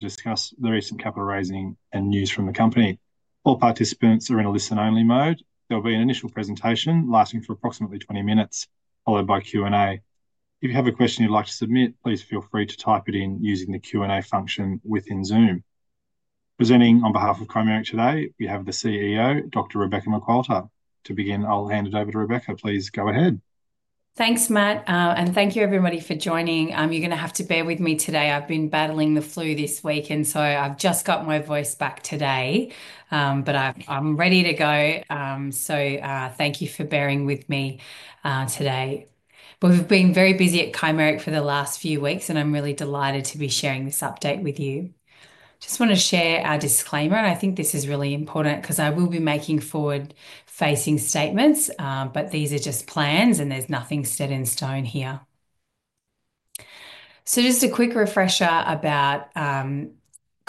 Discuss the recent capital raising and news from the company. All participants are in a listen-only mode. There'll be an initial presentation lasting for approximately 20 minutes, followed by Q&A. If you have a question you'd like to submit, please feel free to type it in using the Q&A function within Zoom. Presenting on behalf of Chimeric today, we have the CEO, Dr. Rebecca McQualter. To begin, I'll hand it over to Rebecca. Please go ahead. Thanks, Matt, and thank you, everybody, for joining. You're going to have to bear with me today. I've been battling the flu this week, and I've just got my voice back today, but I'm ready to go. Thank you for bearing with me today. We've been very busy at Chimeric for the last few weeks, and I'm really delighted to be sharing this update with you. I just want to share our disclaimer. I think this is really important because I will be making forward-facing statements, but these are just plans, and there's nothing set in stone here. Just a quick refresher about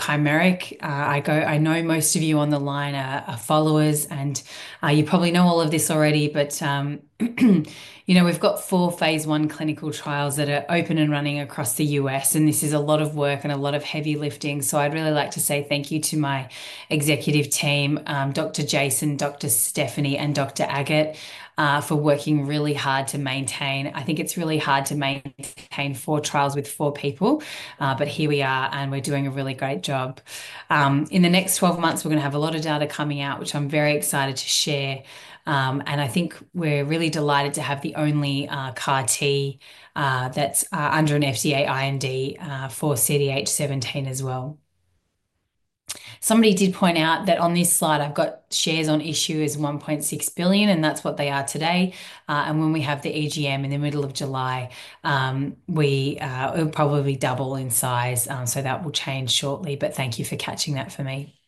Chimeric. I know most of you on the line are followers, and you probably know all of this already, but we've got four phase I clinical trials that are open and running across the U.S., and this is a lot of work and a lot of heavy lifting. I’d really like to say thank you to my executive team, Dr. Jason, Dr. Stephanie, and Dr. Agathe, for working really hard to maintain. I think it's really hard to maintain four trials with four people, but here we are, and we're doing a really great job. In the next 12 months, we're going to have a lot of data coming out, which I'm very excited to share, and I think we're really delighted to have the only CAR-T that's under an FDA IND for CDH17 as well. Somebody did point out that on this slide, I've got shares on issue as 1.6 billion, and that's what they are today. When we have the AGM in the middle of July, we'll probably double in size, so that will change shortly, but thank you for catching that for me.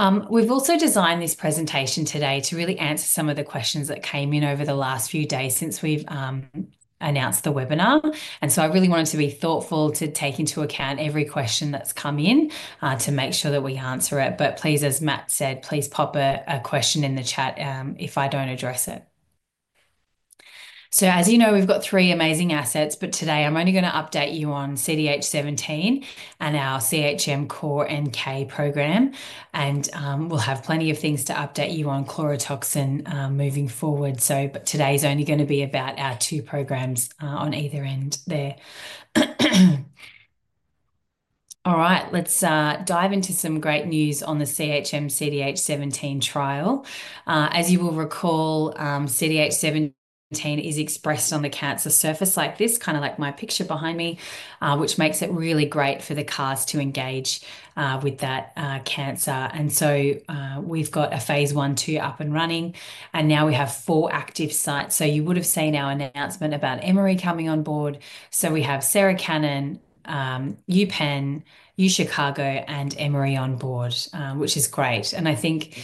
We've also designed this presentation today to really answer some of the questions that came in over the last few days since we've announced the webinar. I really wanted to be thoughtful to take into account every question that's come in to make sure that we answer it. Please, as Matt said, please pop a question in the chat if I don't address it. As you know, we've got three amazing assets, but today I'm only going to update you on CDH17 and our CHM CORE-NK program, and we'll have plenty of things to update you on chlorotoxin moving forward. Today's only going to be about our two programs on either end there. All right, let's dive into some great news on the CHM CDH17 trial. As you will recall, CDH17 is expressed on the cancer surface like this, kind of like my picture behind me, which makes it really great for the CARs to engage with that cancer. We've got a phase I II up and running, and now we have four active sites. You would have seen our announcement about Emory coming on board. We have Sarah Cannon, UPenn, UChicago, and Emory on board, which is great. I think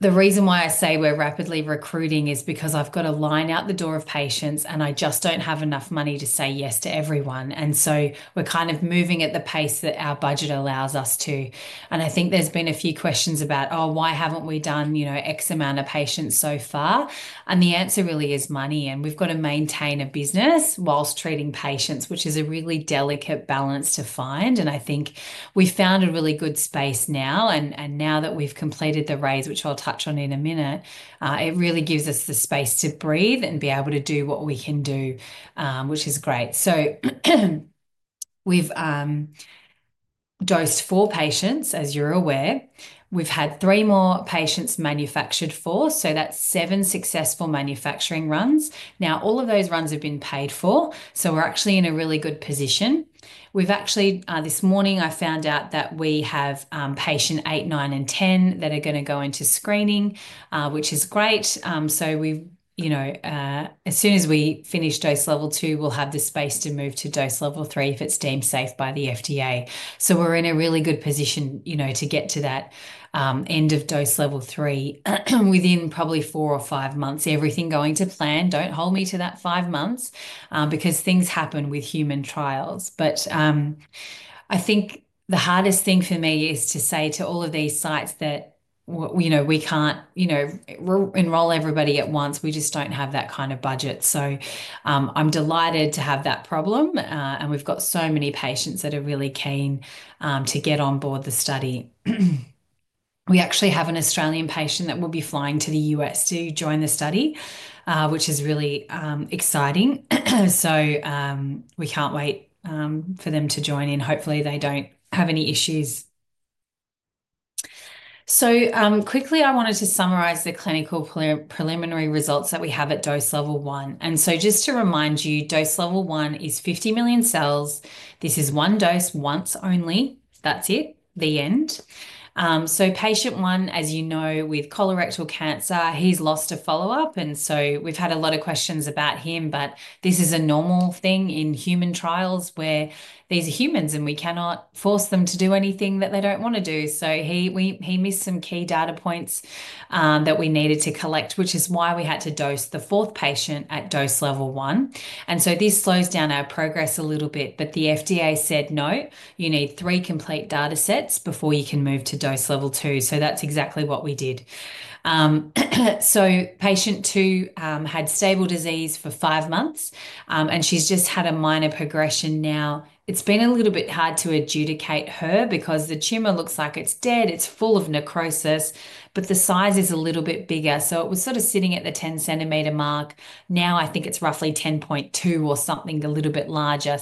the reason why I say we're rapidly recruiting is because I've got a line out the door of patients, and I just don't have enough money to say yes to everyone. We're kind of moving at the pace that our budget allows us to. I think there's been a few questions about, "Oh, why haven't we done X amount of patients so far?" The answer really is money, and we've got to maintain a business whilst treating patients, which is a really delicate balance to find. I think we found a really good space now, and now that we've completed the raise, which I'll touch on in a minute, it really gives us the space to breathe and be able to do what we can do, which is great. We've dosed four patients, as you're aware. We've had three more patients manufactured for, so that's seven successful manufacturing runs. Now, all of those runs have been paid for, so we're actually in a really good position. This morning, I found out that we have patient eight, nine, and 10 that are going to go into screening, which is great. As soon as we finish Dose Level 2, we'll have the space to move to dose level three if it's deemed safe by the FDA. We're in a really good position to get to that end of dose level three within probably four or five months. Everything going to plan. Don't hold me to that five months because things happen with human trials. I think the hardest thing for me is to say to all of these sites that we can't enroll everybody at once. We just don't have that kind of budget. I'm delighted to have that problem, and we've got so many patients that are really keen to get on board the study. We actually have an Australian patient that will be flying to the U.S to join the study, which is really exciting. We can't wait for them to join, and hopefully, they don't have any issues. Quickly, I wanted to summarize the clinical preliminary results that we have at dose level one. Just to remind you, dose level one is 50 million cells. This is one dose once only. That's it. The end. Patient one, as you know, with colorectal cancer, he's lost to follow-up, and we've had a lot of questions about him, but this is a normal thing in human trials where these are humans, and we cannot force them to do anything that they don't want to do. He missed some key data points that we needed to collect, which is why we had to dose the fourth patient at dose level one. This slows down our progress a little bit, but the FDA said, "No, you need three complete data sets before you can move to Dose Level 2." That's exactly what we did. Patient two had stable disease for five months, and she's just had a minor progression now. It's been a little bit hard to adjudicate her because the tumor looks like it's dead. It's full of necrosis, but the size is a little bit bigger. It was sort of sitting at the 10-centimeter mark. Now, I think it's roughly 10.2 or something a little bit larger.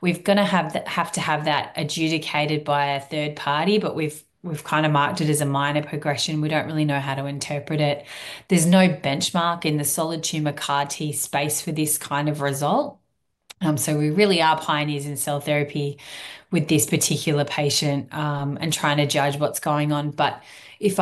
We're going to have to have that adjudicated by a third party, but we've kind of marked it as a minor progression. We don't really know how to interpret it. There's no benchmark in the solid tumor CAR-T space for this kind of result. We really are pioneers in cell therapy with this particular patient and trying to judge what's going on. If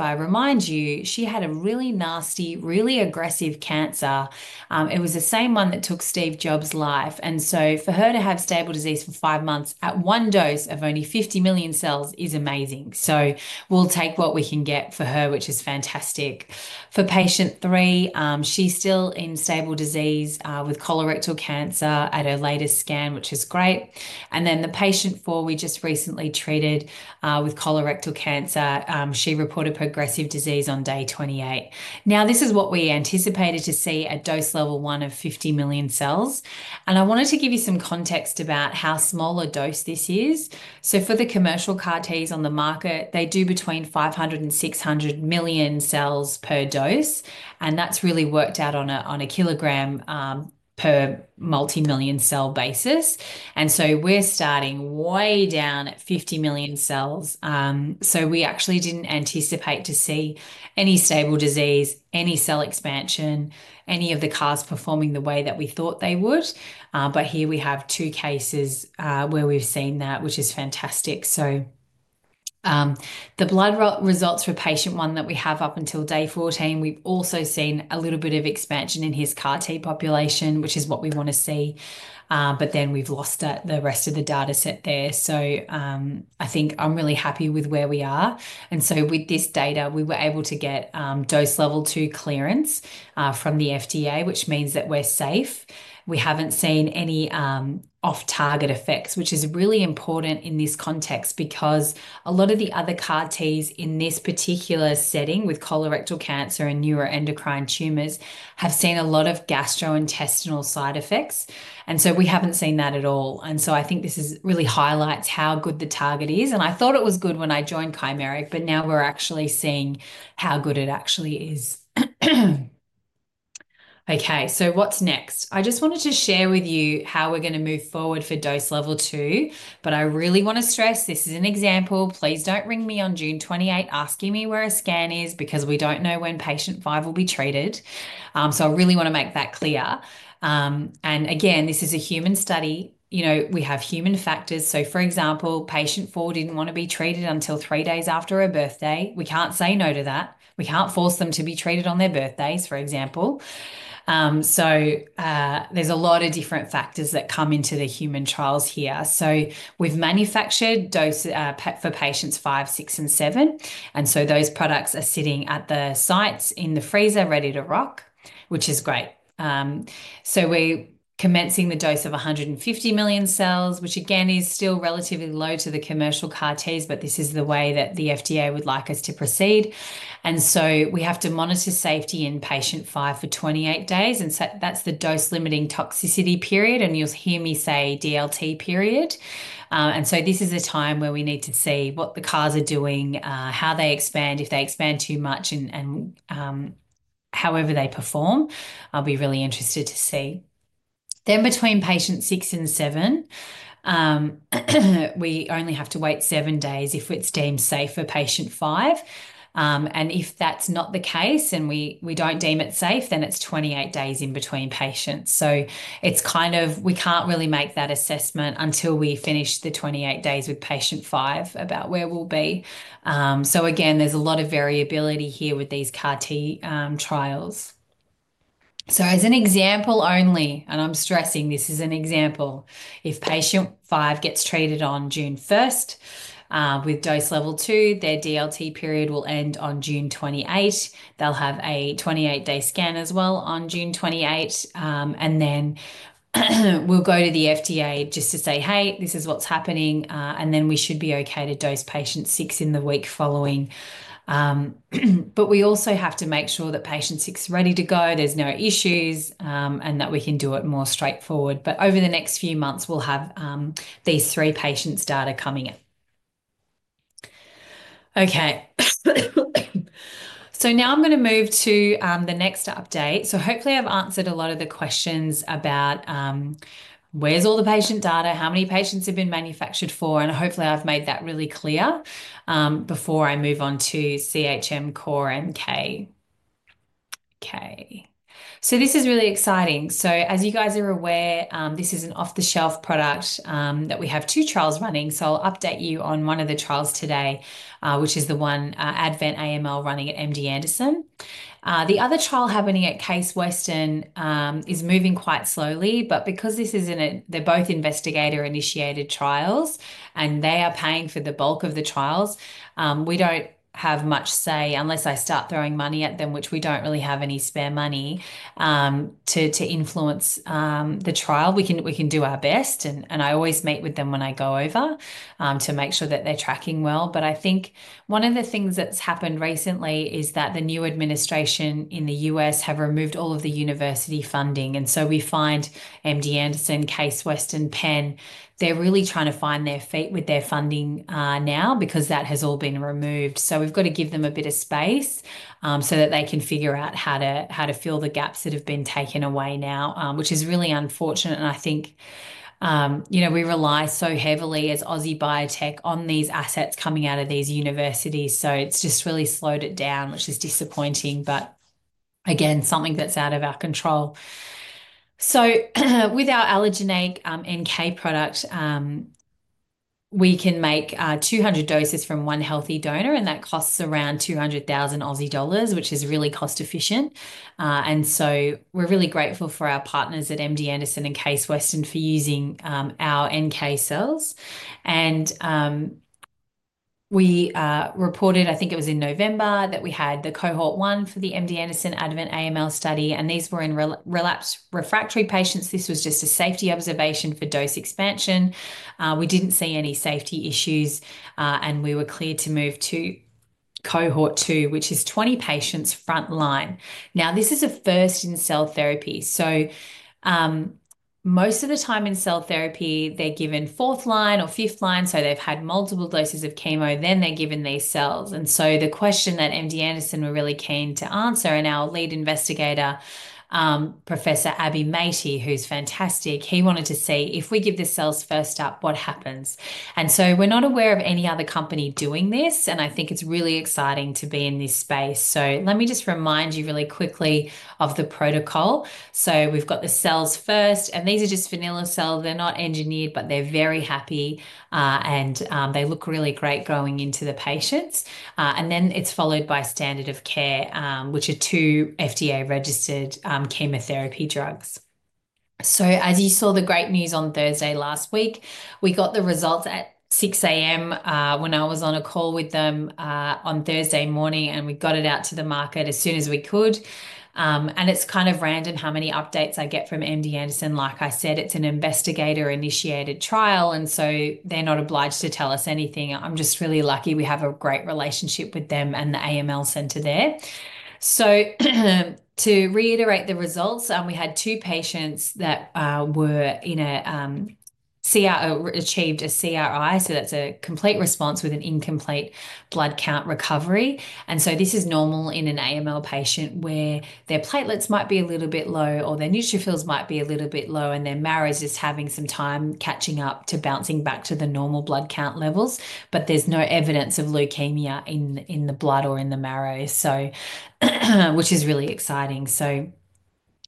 I remind you, she had a really nasty, really aggressive cancer. It was the same one that took Steve Jobs' life. For her to have stable disease for five months at one dose of only 50 million cells is amazing. We'll take what we can get for her, which is fantastic. For patient three, she's still in stable disease with colorectal cancer at her latest scan, which is great. The patient four we just recently treated with colorectal cancer, she reported progressive disease on day 28. This is what we anticipated to see at dose level one of 50 million cells. I wanted to give you some context about how small a dose this is. For the commercial CAR-Ts on the market, they do between 500 million-600 million cells per dose, and that is really worked out on a kilogram per multi-million cell basis. We are starting way down at 50 million cells. We actually did not anticipate to see any stable disease, any cell expansion, any of the CARs performing the way that we thought they would. Here we have two cases where we have seen that, which is fantastic. The blood results for patient one that we have up until day 14, we've also seen a little bit of expansion in his CAR-T population, which is what we want to see, but then we've lost the rest of the data set there. I think I'm really happy with where we are. With this data, we were able to get Dose Level 2 clearance from the FDA, which means that we're safe. We haven't seen any off-target effects, which is really important in this context because a lot of the other CAR-Ts in this particular setting with colorectal cancer and neuroendocrine tumors have seen a lot of gastrointestinal side effects. We haven't seen that at all. I think this really highlights how good the target is. I thought it was good when I joined Chimeric, but now we're actually seeing how good it actually is. Okay, what's next? I just wanted to share with you how we're going to move forward for Dose Level 2, but I really want to stress this is an example. Please don't ring me on June 28 asking me where a scan is because we don't know when patient five will be treated. I really want to make that clear. This is a human study. We have human factors. For example, patient four didn't want to be treated until three days after her birthday. We can't say no to that. We can't force them to be treated on their birthdays, for example. There are a lot of different factors that come into the human trials here. We've manufactured doses for patients five, six, and seven. Those products are sitting at the sites in the freezer, ready to rock, which is great. We're commencing the dose of 150 million cells, which again is still relatively low to the commercial CAR-Ts, but this is the way that the FDA would like us to proceed. We have to monitor safety in patient five for 28 days. That's the dose-limiting toxicity period, and you'll hear me say DLT period. This is a time where we need to see what the CARs are doing, how they expand, if they expand too much, and however they perform. I'll be really interested to see. Between patient six and seven, we only have to wait seven days if it's deemed safe for patient five. If that's not the case and we don't deem it safe, then it's 28 days in between patients. It's kind of we can't really make that assessment until we finish the 28 days with patient five about where we'll be. Again, there's a lot of variability here with these CAR-T trials. As an example only, and I'm stressing this is an example, if patient five gets treated on June 1st with Dose Level 2, their DLT period will end on June 28. They'll have a 28-day scan as well on June 28. We will go to the FDA just to say, "Hey, this is what's happening," and then we should be okay to dose patient six in the week following. We also have to make sure that patient six is ready to go, there's no issues, and that we can do it more straightforward. Over the next few months, we'll have these three patients' data coming in. Okay. Now I'm going to move to the next update. Hopefully, I've answered a lot of the questions about where's all the patient data, how many patients have been manufactured for, and hopefully, I've made that really clear before I move on to CHM CORE-NK. Okay. This is really exciting. As you guys are aware, this is an off-the-shelf product that we have two trials running. I'll update you on one of the trials today, which is the one ADVENT-AML running at MD Anderson. The other trial happening at Case Western is moving quite slowly, but because this is not a, they are both investigator-initiated trials, and they are paying for the bulk of the trials, we do not have much say unless I start throwing money at them, which we do not really have any spare money to influence the trial. We can do our best, and I always meet with them when I go over to make sure that they are tracking well. I think one of the things that has happened recently is that the new administration in the U.S. has removed all of the university funding. We find MD Anderson, Case Western, Penn, they are really trying to find their feet with their funding now because that has all been removed. We've got to give them a bit of space so that they can figure out how to fill the gaps that have been taken away now, which is really unfortunate. I think we rely so heavily as Aussie biotech on these assets coming out of these universities. It's just really slowed it down, which is disappointing, but again, something that's out of our control. With our allogeneic NK product, we can make 200 doses from one healthy donor, and that costs around 200,000 Aussie dollars, which is really cost-efficient. We're really grateful for our partners at MD Anderson and Case Western for using our NK cells. We reported, I think it was in November, that we had the cohort one for the MD Anderson ADVENT-AML study, and these were in relapsed-refractory patients. This was just a safety observation for dose expansion. We did not see any safety issues, and we were clear to move to cohort two, which is 20 patients frontline. This is a first in cell therapy. Most of the time in cell therapy, they are given fourth-line or fifth-line. They have had multiple doses of chemo, then they are given these cells. The question that MD Anderson were really keen to answer, and our lead investigator, Professor Abhi Maiti, who is fantastic, he wanted to see if we give the cells first up, what happens? We are not aware of any other company doing this, and I think it is really exciting to be in this space. Let me just remind you really quickly of the protocol. We have got the cells first, and these are just vanilla cells. They are not engineered, but they are very happy, and they look really great going into the patients. It is followed by standard of care, which are two FDA-registered chemotherapy drugs. As you saw, the great news on Thursday last week, we got the results at 6:00 A.M. when I was on a call with them on Thursday morning, and we got it out to the market as soon as we could. It is kind of random how many updates I get from MD Anderson. Like I said, it is an investigator-initiated trial, and so they are not obliged to tell us anything. I am just really lucky we have a great relationship with them and the AML center there. To reiterate the results, we had two patients that achieved a CRi, so that is a complete response with an incomplete blood count recovery. This is normal in an AML patient where their platelets might be a little bit low or their neutrophils might be a little bit low, and their marrow is just having some time catching up to bouncing back to the normal blood count levels, but there is no evidence of leukemia in the blood or in the marrow, which is really exciting.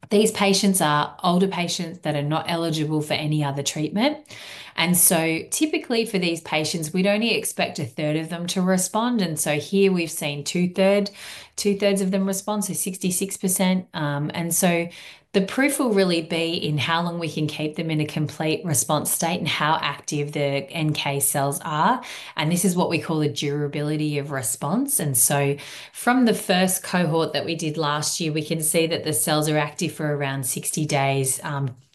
These patients are older patients that are not eligible for any other treatment. Typically for these patients, we would only expect a 1/3 of them to respond. Here we have seen 2/3 of them respond, so 66%. The proof will really be in how long we can keep them in a complete response state and how active the NK cells are. This is what we call a durability of response. From the first cohort that we did last year, we can see that the cells are active for around 60 days,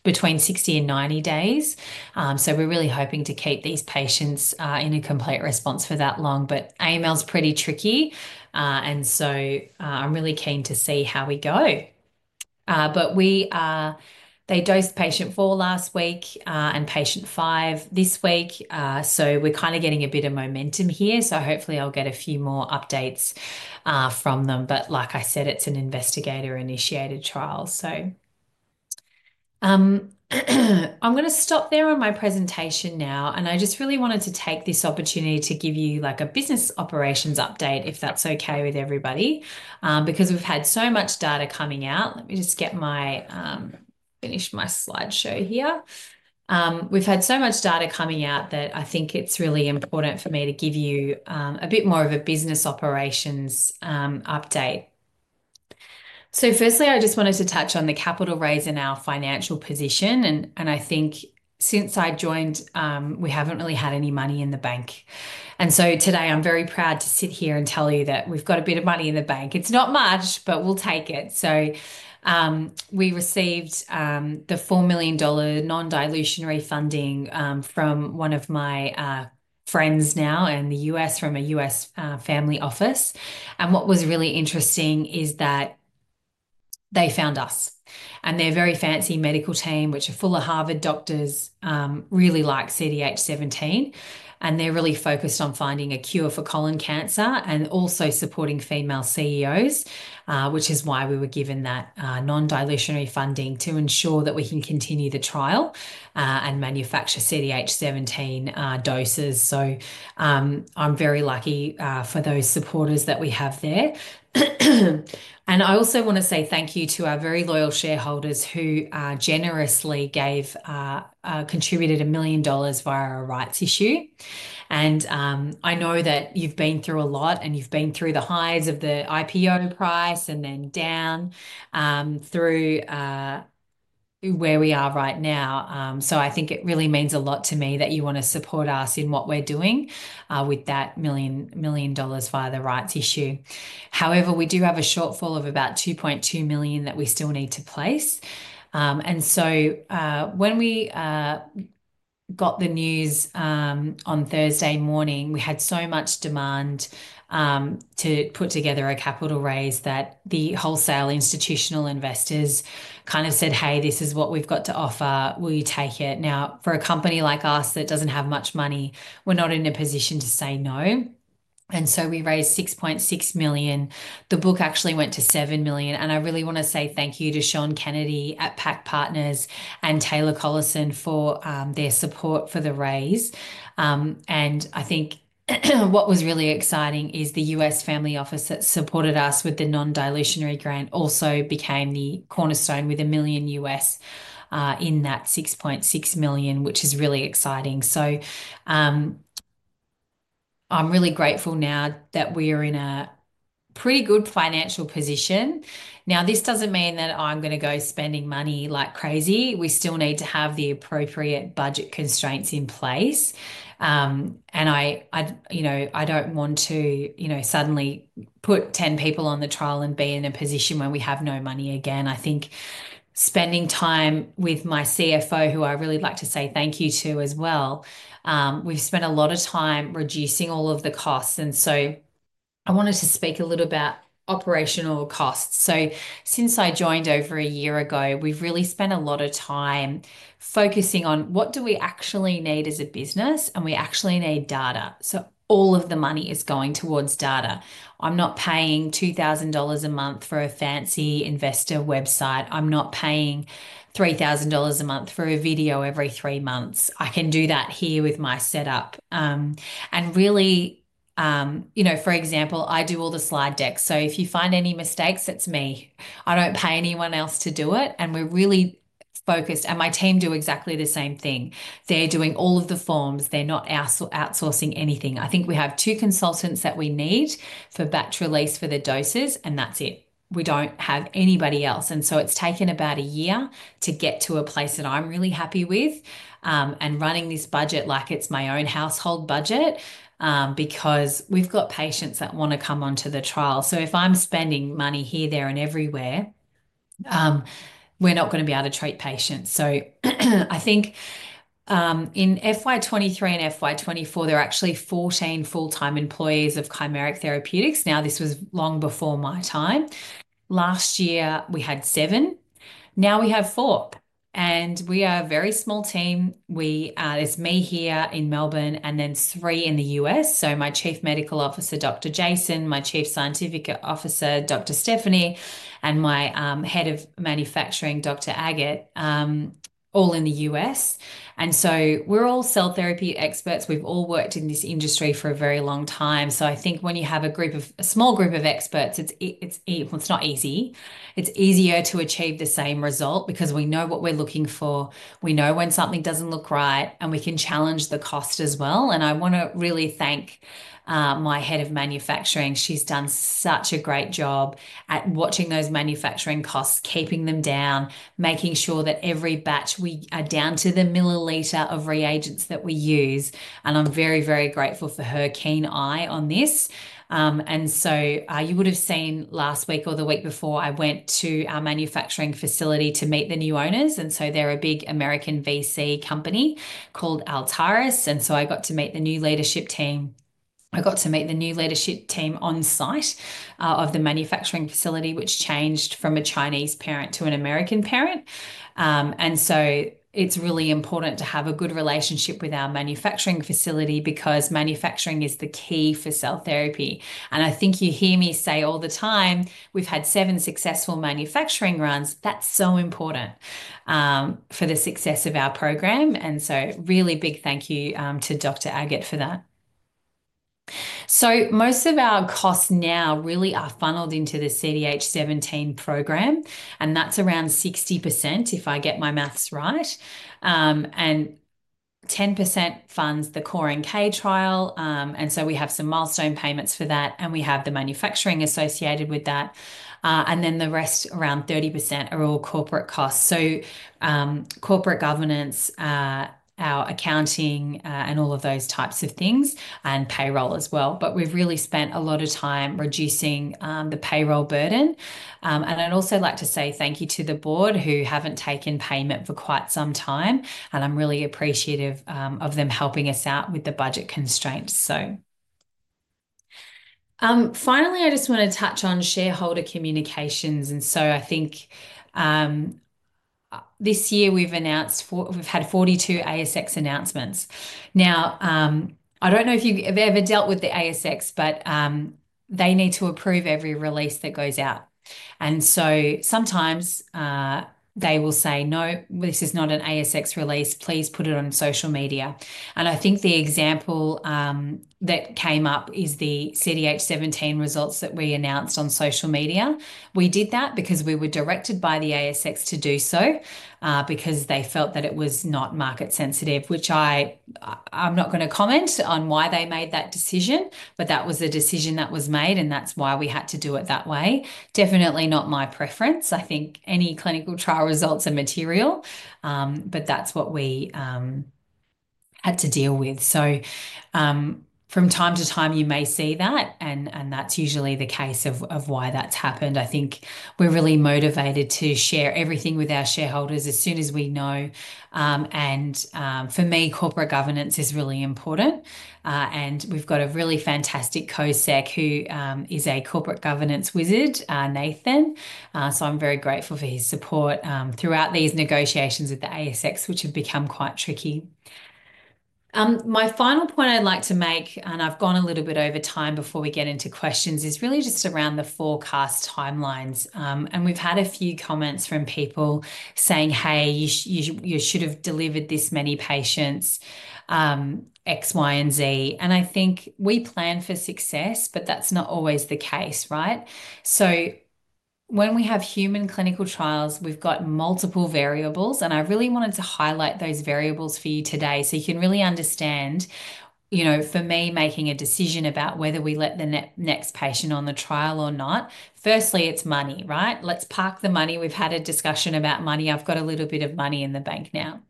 between 60 and 90 days. We are really hoping to keep these patients in a complete response for that long, but AML is pretty tricky. I am really keen to see how we go. They dosed patient four last week and patient five this week. We are kind of getting a bit of momentum here. Hopefully, I will get a few more updates from them. Like I said, it is an investigator-initiated trial. I am going to stop there on my presentation now. I just really wanted to take this opportunity to give you a business operations update, if that is okay with everybody, because we have had so much data coming out. Let me just finish my slideshow here. We've had so much data coming out that I think it's really important for me to give you a bit more of a business operations update. Firstly, I just wanted to touch on the capital raise and our financial position. I think since I joined, we haven't really had any money in the bank. Today, I'm very proud to sit here and tell you that we've got a bit of money in the bank. It's not much, but we'll take it. We received the $4 million non-dilution refunding from one of my friends now in the U.S. from a U.S. family office. What was really interesting is that they found us. They're a very fancy medical team, which are full of Harvard doctors, really like CDH17. They're really focused on finding a cure for colon cancer and also supporting female CEOs, which is why we were given that non-dilution refunding to ensure that we can continue the trial and manufacture CDH17 doses. I'm very lucky for those supporters that we have there. I also want to say thank you to our very loyal shareholders who generously contributed $1 million via a rights issue. I know that you've been through a lot, and you've been through the highs of the IPO price and then down through where we are right now. I think it really means a lot to me that you want to support us in what we're doing with that $1 million via the rights issue. However, we do have a shortfall of about 2.2 million that we still need to place. When we got the news on Thursday morning, we had so much demand to put together a capital raise that the wholesale institutional investors kind of said, "Hey, this is what we've got to offer. Will you take it?" Now, for a company like us that does not have much money, we are not in a position to say no. We raised 6.6 million. The book actually went to 7 million. I really want to say thank you to Sean Kennedy at Pack Partners and Taylor Collison for their support for the raise. I think what was really exciting is the U.S. family office that supported us with the non-dilution grant also became the cornerstone with $1 million in that 6.6 million, which is really exciting. I am really grateful now that we are in a pretty good financial position. Now, this doesn't mean that I'm going to go spending money like crazy. We still need to have the appropriate budget constraints in place. I don't want to suddenly put 10 people on the trial and be in a position where we have no money again. I think spending time with my CFO, who I really like to say thank you to as well, we've spent a lot of time reducing all of the costs. I wanted to speak a little about operational costs. Since I joined over a year ago, we've really spent a lot of time focusing on what do we actually need as a business, and we actually need data. All of the money is going towards data. I'm not paying $2,000 a month for a fancy investor website. I'm not paying $3,000 a month for a video every three months. I can do that here with my setup. For example, I do all the slide decks. If you find any mistakes, it's me. I don't pay anyone else to do it. We're really focused. My team do exactly the same thing. They're doing all of the forms. They're not outsourcing anything. I think we have two consultants that we need for batch release for the doses, and that's it. We don't have anybody else. It's taken about a year to get to a place that I'm really happy with and running this budget like it's my own household budget because we've got patients that want to come onto the trial. If I'm spending money here, there, and everywhere, we're not going to be able to treat patients. I think in FY23 and FY24, there are actually 14 full-time employees of Chimeric Therapeutics. Now, this was long before my time. Last year, we had seven. Now we have four. We are a very small team. There's me here in Melbourne and then three in the U.S.. My Chief Medical Officer, Dr. Jason, my Chief Scientific Officer, Dr. Stephanie, and my Head of Manufacturing, Dr. Agathe, all in the U.S.. We are all cell therapy experts. We've all worked in this industry for a very long time. I think when you have a small group of experts, it's not easy. It's easier to achieve the same result because we know what we're looking for. We know when something doesn't look right, and we can challenge the cost as well. I want to really thank my Head of Manufacturing. She's done such a great job at watching those manufacturing costs, keeping them down, making sure that every batch we are down to the milliliter of reagents that we use. I'm very, very grateful for her keen eye on this. You would have seen last week or the week before, I went to our manufacturing facility to meet the new owners. They're a big American VC company called Altaris. I got to meet the new leadership team. I got to meet the new leadership team on site of the manufacturing facility, which changed from a Chinese parent to an American parent. It's really important to have a good relationship with our manufacturing facility because manufacturing is the key for cell therapy. I think you hear me say all the time, we've had seven successful manufacturing runs. That's so important for the success of our program. A really big thank you to Dr. Agathe for that. Most of our costs now really are funneled into the CDH17 program, and that's around 60% if I get my maths right. 10% funds the CORE-K trial. We have some milestone payments for that, and we have the manufacturing associated with that. The rest, around 30%, are all corporate costs. Corporate governance, our accounting, and all of those types of things, and payroll as well. We've really spent a lot of time reducing the payroll burden. I'd also like to say thank you to the board who haven't taken payment for quite some time. I'm really appreciative of them helping us out with the budget constraints. Finally, I just want to touch on shareholder communications. I think this year we've had 42 ASX announcements. I don't know if you've ever dealt with the ASX, but they need to approve every release that goes out. Sometimes they will say, "No, this is not an ASX release. Please put it on social media." I think the example that came up is the CDH17 results that we announced on social media. We did that because we were directed by the ASX to do so because they felt that it was not market-sensitive, which I'm not going to comment on why they made that decision, but that was the decision that was made, and that's why we had to do it that way. Definitely not my preference. I think any clinical trial results are material, but that's what we had to deal with. From time to time, you may see that, and that's usually the case of why that's happened. I think we're really motivated to share everything with our shareholders as soon as we know. For me, corporate governance is really important. We've got a really fantastic co-sec who is a corporate governance wizard, Nathan. I'm very grateful for his support throughout these negotiations with the ASX, which have become quite tricky. My final point I'd like to make, and I've gone a little bit over time before we get into questions, is really just around the forecast timelines. We've had a few comments from people saying, "Hey, you should have delivered this many patients, X, Y, and Z." I think we plan for success, but that's not always the case, right? When we have human clinical trials, we've got multiple variables. I really wanted to highlight those variables for you today so you can really understand, for me, making a decision about whether we let the next patient on the trial or not. Firstly, it's money, right? Let's park the money. We've had a discussion about money. I've got a little bit of money in the bank now.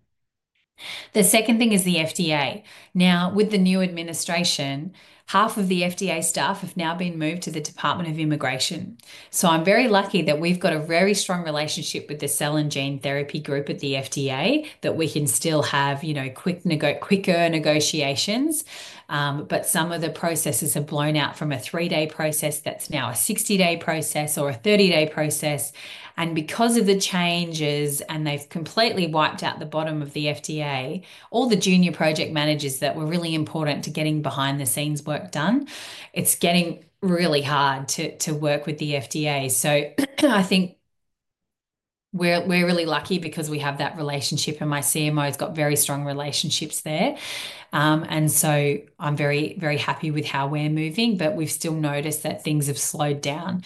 The second thing is the FDA. Now, with the new administration, half of the FDA staff have now been moved to the Department of Immigration. I'm very lucky that we've got a very strong relationship with the cell and gene therapy group at the FDA that we can still have quicker negotiations. Some of the processes have blown out from a three-day process that's now a 60-day process or a 30-day process. Because of the changes, and they've completely wiped out the bottom of the FDA, all the junior project managers that were really important to getting behind-the-scenes work done, it's getting really hard to work with the FDA. I think we're really lucky because we have that relationship, and my CMO has got very strong relationships there. I'm very, very happy with how we're moving, but we've still noticed that things have slowed down.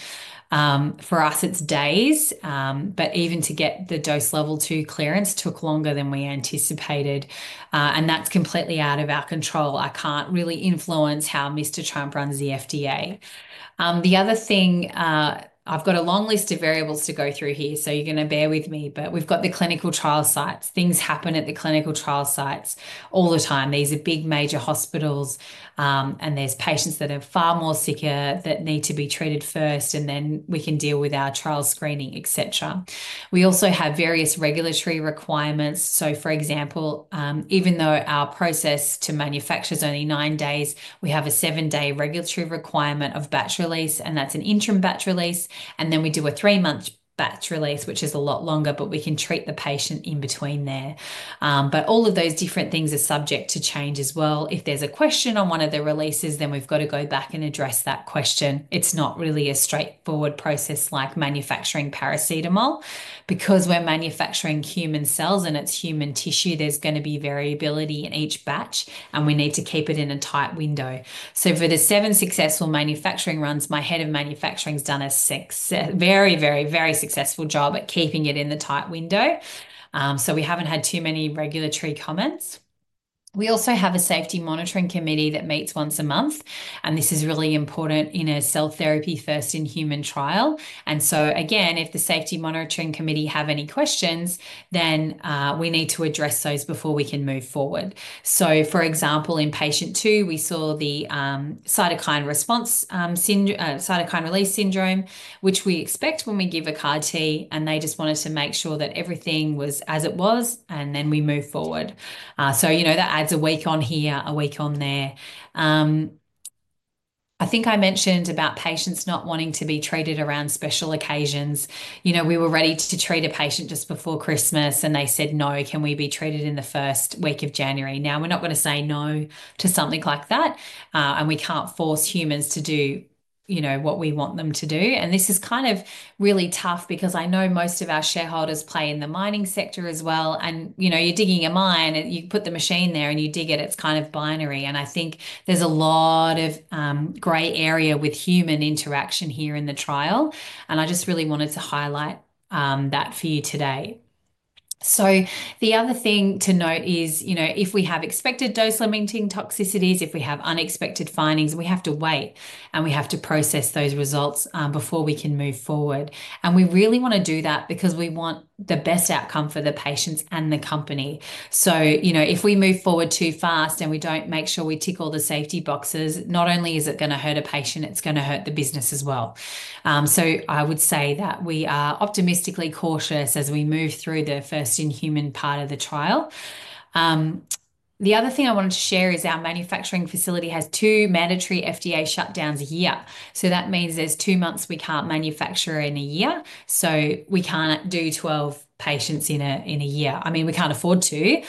For us, it's days, but even to get the Dose Level 2 clearance took longer than we anticipated. That's completely out of our control. I can't really influence how Mr. Trump runs the FDA. The other thing, I've got a long list of variables to go through here, so you're going to bear with me. We've got the clinical trial sites. Things happen at the clinical trial sites all the time. These are big major hospitals, and there's patients that are far more sicker that need to be treated first, and then we can deal with our trial screening, et cetera. We also have various regulatory requirements. For example, even though our process to manufacture is only nine days, we have a seven-day regulatory requirement of batch release, and that's an interim batch release. We do a three-month batch release, which is a lot longer, but we can treat the patient in between there. All of those different things are subject to change as well. If there's a question on one of the releases, then we've got to go back and address that question. It's not really a straightforward process like manufacturing paracetamol because we're manufacturing human cells and it's human tissue. There's going to be variability in each batch, and we need to keep it in a tight window. For the seven successful manufacturing runs, my Head of Manufacturing has done a very, very, very successful job at keeping it in the tight window. We haven't had too many regulatory comments. We also have a safety monitoring committee that meets once a month, and this is really important in a cell therapy first-in-human trial. If the safety monitoring committee have any questions, then we need to address those before we can move forward. For example, in patient two, we saw the cytokine release syndrome, which we expect when we give a CAR-T, and they just wanted to make sure that everything was as it was, and then we move forward. That adds a week on here, a week on there. I think I mentioned about patients not wanting to be treated around special occasions. We were ready to treat a patient just before Christmas, and they said, "No, can we be treated in the first week of January?" We are not going to say no to something like that, and we cannot force humans to do what we want them to do. This is kind of really tough because I know most of our shareholders play in the mining sector as well. You are digging a mine, and you put the machine there and you dig it. It is kind of binary. I think there is a lot of gray area with human interaction here in the trial. I just really wanted to highlight that for you today. The other thing to note is if we have expected dose-limiting toxicities, if we have unexpected findings, we have to wait, and we have to process those results before we can move forward. We really want to do that because we want the best outcome for the patients and the company. If we move forward too fast and we do not make sure we tick all the safety boxes, not only is it going to hurt a patient, it is going to hurt the business as well. I would say that we are optimistically cautious as we move through the first-in-human part of the trial. The other thing I wanted to share is our manufacturing facility has two mandatory FDA shutdowns a year. That means there are two months we cannot manufacture in a year. We cannot do 12 patients in a year. I mean, we can't afford to.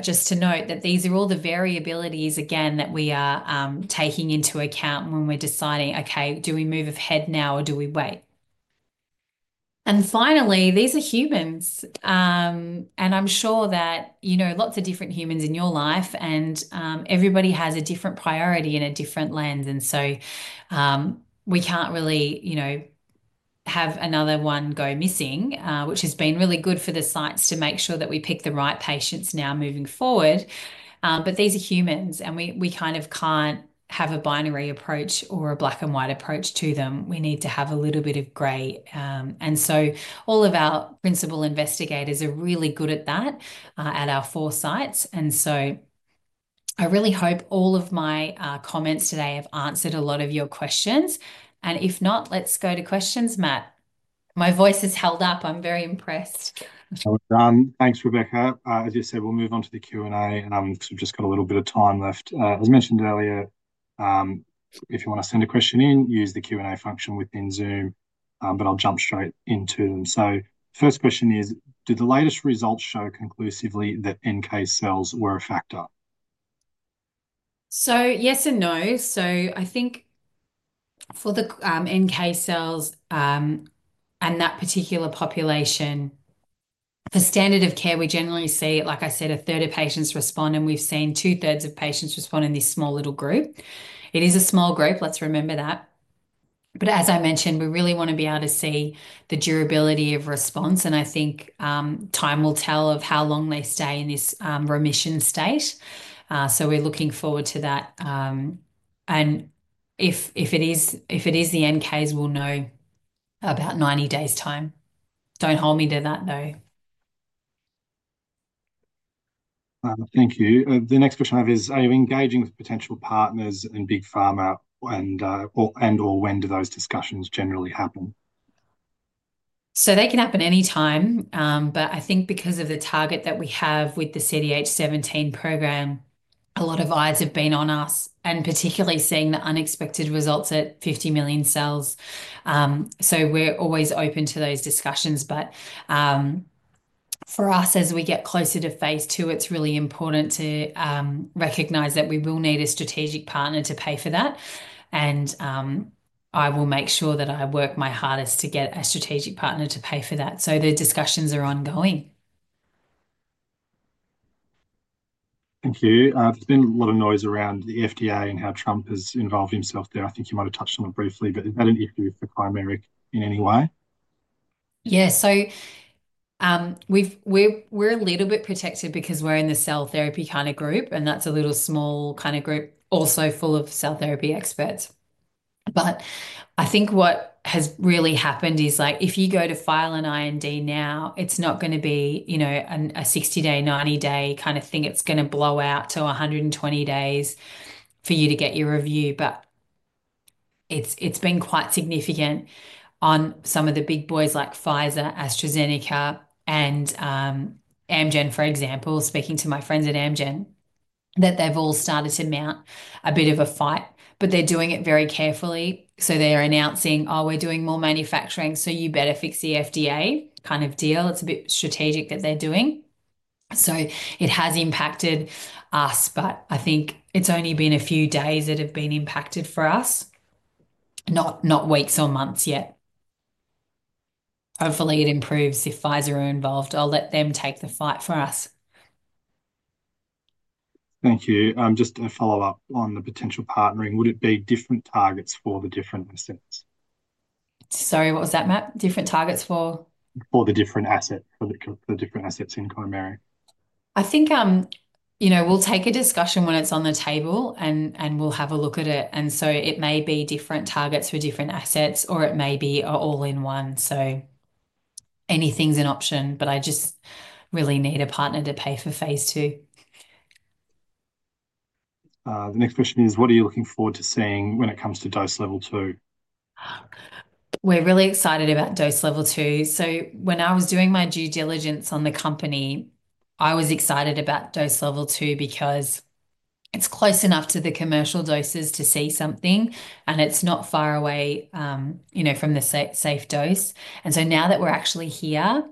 Just to note that these are all the variabilities, again, that we are taking into account when we're deciding, "Okay, do we move ahead now or do we wait?" Finally, these are humans. I'm sure that lots of different humans in your life, and everybody has a different priority and a different lens. We can't really have another one go missing, which has been really good for the sites to make sure that we pick the right patients now moving forward. These are humans, and we kind of can't have a binary approach or a black-and-white approach to them. We need to have a little bit of gray. All of our principal investigators are really good at that at our four sites. I really hope all of my comments today have answered a lot of your questions. If not, let's go to questions, Matt. My voice has held up. I'm very impressed. That's well done. Thanks, Rebecca. As you said, we'll move on to the Q&A, and I've just got a little bit of time left. As mentioned earlier, if you want to send a question in, use the Q&A function within Zoom, but I'll jump straight into them. First question is, did the latest results show conclusively that NK cells were a factor? Yes and no. I think for the NK cells and that particular population, for standard of care, we generally see, like I said, a 1/3 of patients respond, and we've seen 2/3 of patients respond in this small little group. It is a small group. Let's remember that. As I mentioned, we really want to be able to see the durability of response. I think time will tell how long they stay in this remission state. We are looking forward to that. If it is the NKs, we will know in about 90 days' time. Do not hold me to that, though. Thank you. The next question I have is, are you engaging with potential partners and Big Pharma, and when do those discussions generally happen? They can happen any time. I think because of the target that we have with the CDH17 program, a lot of eyes have been on us, particularly seeing the unexpected results at 50 million cells. We are always open to those discussions. For us, as we get closer to phase II, it is really important to recognize that we will need a strategic partner to pay for that. I will make sure that I work my hardest to get a strategic partner to pay for that. The discussions are ongoing. Thank you. There has been a lot of noise around the FDA and how Trump has involved himself there. I think you might have touched on it briefly, but is that an issue for Chimeric in any way? Yeah. We are a little bit protected because we are in the cell therapy kind of group, and that is a little small kind of group, also full of cell therapy experts. I think what has really happened is if you go to file an IND now, it is not going to be a 60-day, 90-day kind of thing. It is going to blow out to 120 days for you to get your review. It has been quite significant on some of the big boys like Pfizer, AstraZeneca, and Amgen, for example. Speaking to my friends at Amgen, they have all started to mount a bit of a fight, but they are doing it very carefully. They are announcing, "Oh, we are doing more manufacturing, so you better fix the FDA kind of deal." It is a bit strategic what they are doing. It has impacted us, but I think it has only been a few days that have been impacted for us, not weeks or months yet. Hopefully, it improves if Pfizer are involved. I will let them take the fight for us. Thank you. Just a follow-up on the potential partnering. Would it be different targets for the different assets? Sorry, what was that, Matt? Different targets for? For the different assets, for the different assets in Chimeric. I think we'll take a discussion when it's on the table, and we'll have a look at it. It may be different targets for different assets, or it may be all in one. Anything's an option, but I just really need a partner to pay for phase II. The next question is, what are you looking forward to seeing when it comes to Dose Level 2? We're really excited about Dose Level 2. When I was doing my due diligence on the company, I was excited about Dose Level 2 because it's close enough to the commercial doses to see something, and it's not far away from the safe dose. Now that we're actually here,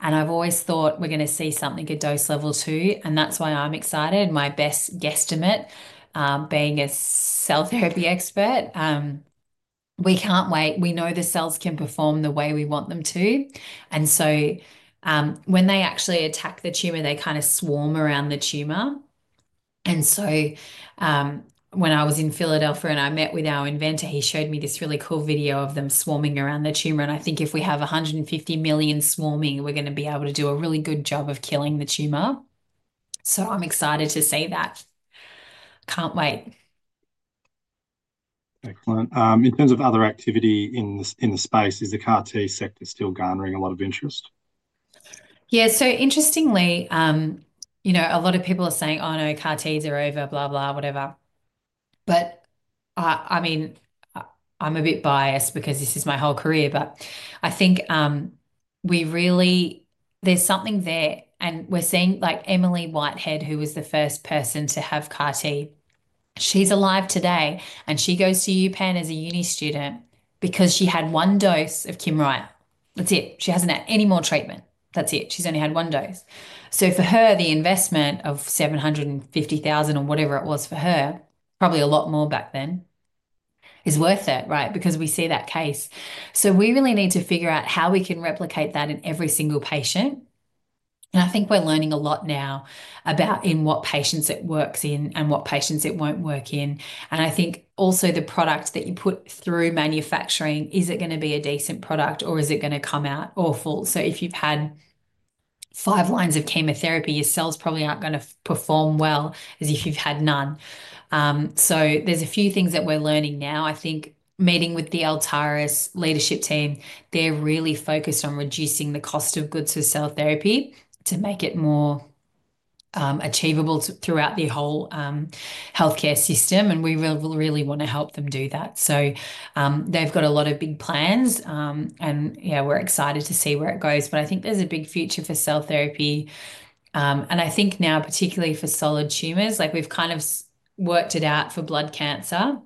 and I've always thought we're going to see something at Dose Level 2, and that's why I'm excited, my best guesstimate being a cell therapy expert. We can't wait. We know the cells can perform the way we want them to. When they actually attack the tumor, they kind of swarm around the tumor. When I was in Philadelphia and I met with our inventor, he showed me this really cool video of them swarming around the tumor. I think if we have 150 million swarming, we're going to be able to do a really good job of killing the tumor. I'm excited to see that. Can't wait. Excellent. In terms of other activity in the space, is the CAR-T sector still garnering a lot of interest? Yeah. Interestingly, a lot of people are saying, "Oh, no, CAR-Ts are over, blah, blah, whatever." I mean, I'm a bit biased because this is my whole career, but I think there's something there. We're seeing Emily Whitehead, who was the first person to have CAR-T. She's alive today, and she goes to UPenn as a uni student because she had one dose of [CAR-T]. That's it. She hasn't had any more treatment. That's it. She's only had one dose. For her, the investment of $750,000 or whatever it was for her, probably a lot more back then, is worth it, right? We see that case. We really need to figure out how we can replicate that in every single patient. I think we're learning a lot now about in what patients it works in and what patients it won't work in. I think also the product that you put through manufacturing, is it going to be a decent product, or is it going to come out awful? If you've had five lines of chemotherapy, your cells probably aren't going to perform well as if you've had none. There's a few things that we're learning now. I think meeting with the Altaris leadership team, they're really focused on reducing the cost of goods for cell therapy to make it more achievable throughout the whole healthcare system. We really want to help them do that. They've got a lot of big plans, and yeah, we're excited to see where it goes. I think there's a big future for cell therapy. I think now, particularly for solid tumors, we've kind of worked it out for blood cancer.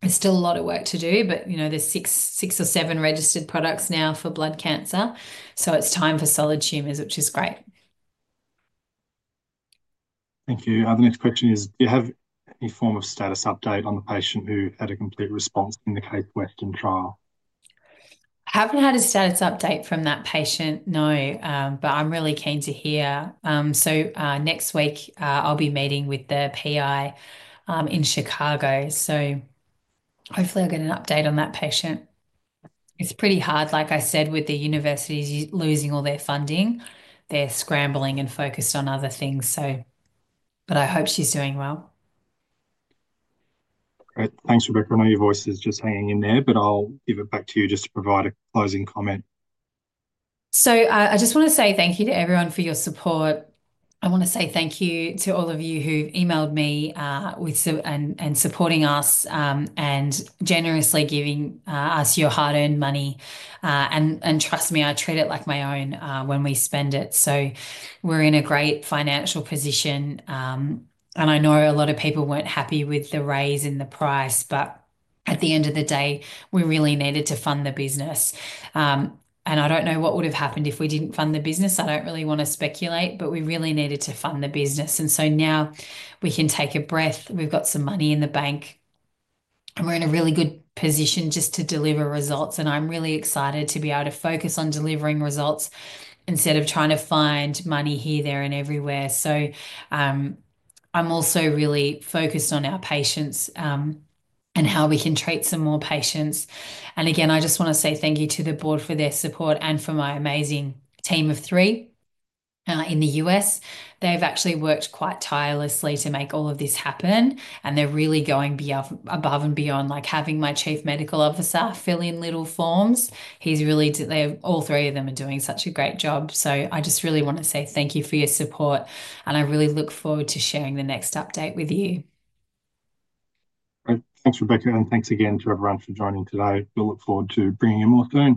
There's still a lot of work to do, but there's six or seven registered products now for blood cancer. It's time for solid tumors, which is great. Thank you. The next question is, do you have any form of status update on the patient who had a complete response in the Case Western trial? Haven't had a status update from that patient, no, but I'm really keen to hear. Next week, I'll be meeting with the PI in Chicago. Hopefully, I'll get an update on that patient. It's pretty hard, like I said, with the universities losing all their funding. They're scrambling and focused on other things. I hope she's doing well. Great. Thanks, Rebecca. I know your voice is just hanging in there, but I'll give it back to you just to provide a closing comment. I just want to say thank you to everyone for your support. I want to say thank you to all of you who've emailed me and supporting us and generously giving us your hard-earned money. Trust me, I treat it like my own when we spend it. We are in a great financial position. I know a lot of people were not happy with the raise in the price, but at the end of the day, we really needed to fund the business. I do not know what would have happened if we did not fund the business. I do not really want to speculate, but we really needed to fund the business. Now we can take a breath. We have got some money in the bank, and we are in a really good position just to deliver results. I am really excited to be able to focus on delivering results instead of trying to find money here, there, and everywhere. I am also really focused on our patients and how we can treat some more patients. I just want to say thank you to the board for their support and for my amazing team of three in the U.S.. They've actually worked quite tirelessly to make all of this happen, and they're really going above and beyond, like having my Chief Medical Officer fill in little forms. All three of them are doing such a great job. I just really want to say thank you for your support, and I really look forward to sharing the next update with you. Thanks, Rebecca, and thanks again to everyone for joining today. We'll look forward to bringing you more through.